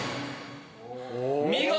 見事！